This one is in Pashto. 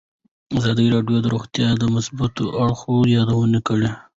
ازادي راډیو د روغتیا د مثبتو اړخونو یادونه کړې.